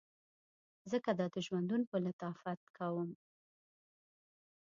ځکه دا ژوندون په لطافت کوم